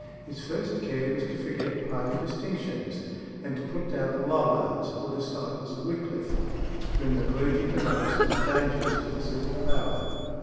His first care was to forget party distinctions, and to put down the Lollards, or disciples of Wickliffe, whom the clergy denounced as dangerous to the civil power.